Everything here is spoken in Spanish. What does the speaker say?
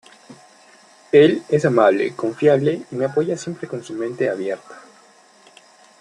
Él es amable, confiable y me apoya siempre con su mente abierta.